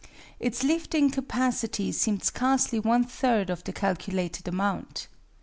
Its lifting capacity seemed scarcely one third of the calculated amount.